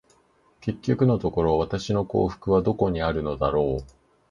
結局のところ、私の幸福はどこにあるのだろう。